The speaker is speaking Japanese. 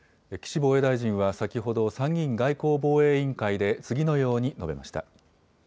岸防衛大臣は先ほど、参議院外交防衛委員会で、次のように述べました。